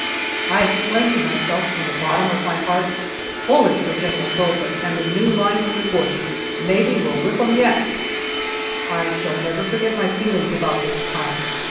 I exclaimed to myself from the bottom of my heart, "Bully for General Hurlbut and the new line in the bush! Maybe we'll whip 'em yet." I shall never forget my feelings about this time.